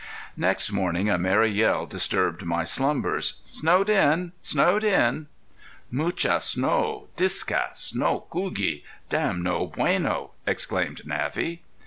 Next morning a merry yell disturbed my slumbers. "Snowed in snowed in!" "Mucha snow discass no cougie dam no bueno!" exclaimed Navvy.